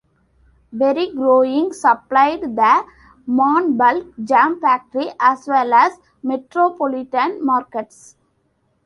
Berry growing supplied the Monbulk jam factory as well as metropolitan markets.